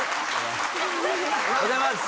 おはようございます！